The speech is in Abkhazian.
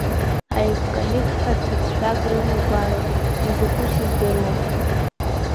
Аевкалипт ҳәа ҭыӡшәак рыма игәароуп, изакәу сыздыруам.